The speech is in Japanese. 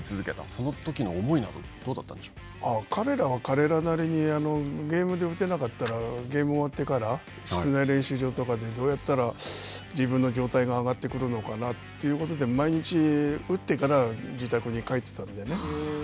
そのときの思いなど、どうだった彼らは彼らなりに、ゲームで打てなかったら、ゲームが終わってから、室内練習場とかで、自分の状態が上がってくるのかなということで、毎日打ってから、自宅に帰ってたんでね。